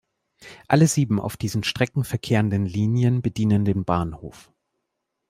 Alle sieben auf diesen Strecken verkehrende Linien bedienen den Bahnhof.